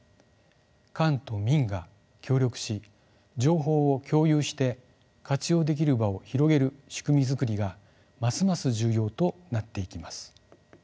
官と民が協力し情報を共有して活用できる場を広げる仕組みづくりがますます重要となっていきます。